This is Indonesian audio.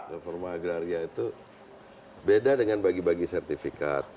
reforma agraria itu beda dengan bagi bagi sertifikat